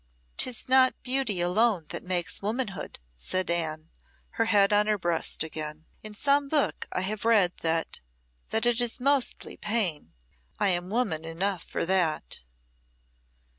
"'Tis not beauty alone that makes womanhood," said Anne, her head on her breast again. "In some book I have read that that it is mostly pain. I am woman enough for that."